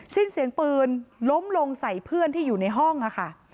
สิ้นเสียงปืนล้มลงใส่เพื่อนที่อยู่ในห้องค่ะ